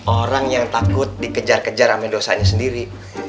orang yang takut dikejar dua ame dosanya sendiri